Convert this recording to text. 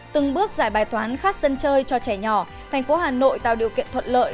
từng bước giải bài toán khát sân chơi cho trẻ nhỏ thành phố hà nội tạo điều kiện thuận lợi